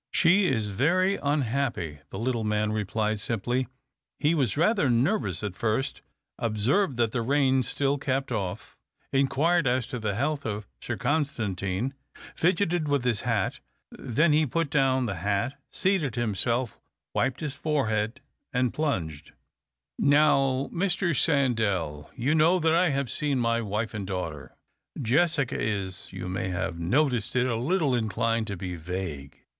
" She is very unhappy," the little man replied simply. He was rather nervous at first, observed that the rain still kept off THE OCTAVE OF CLAUDIUS. 293 inquired as to the health of Sir Constantine, fidgetted with his hat ; then he put down the hat, seated himself, wiped his forehead, and plunged —" Now, Mr. Sandell, you know that I have seen my wife and daughter. Jessica is, you may have noticed it, a little inclined to be vague.